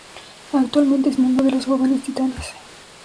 Actualmente es miembro de Los Jóvenes Titanes.